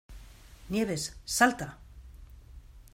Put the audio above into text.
Nieves, ¡salta!